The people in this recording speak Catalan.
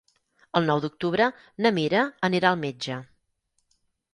El nou d'octubre na Mira anirà al metge.